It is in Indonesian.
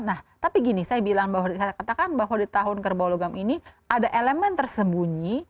nah tapi gini saya bilang bahwa saya katakan bahwa di tahun kerbau logam ini ada elemen tersembunyi